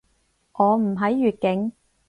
我唔喺粵境